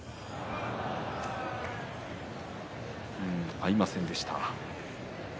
合いませんでした。